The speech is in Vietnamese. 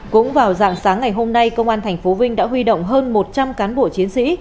cũng vào dạng sáng ngày hôm nay công an tp vinh đã huy động hơn một trăm linh cán bộ chiến sĩ